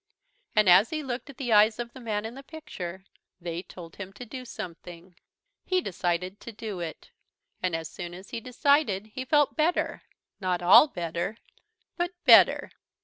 And as he looked at the eyes of the man in the picture, they told him to do something. He decided to do it. And as soon as he decided he felt better not all better but better.